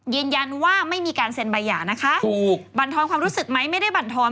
ยินยันว่าไม่มีการเซ็นบายหยานะคะบันทรความรู้สึกไหมไม่ได้บันทร